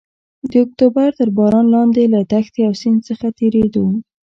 د اکتوبر تر باران لاندې له دښتې او سیند څخه تېرېدو.